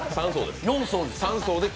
３層です。